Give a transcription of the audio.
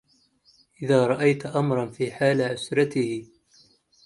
إذا رأيت امرءا في حال عسرته